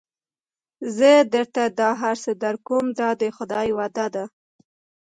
زه درته دا هر څه درکوم دا د خدای وعده ده.